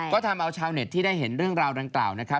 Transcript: ก็ทำเอาชาวเน็ตที่ได้เห็นเรื่องราวต่าง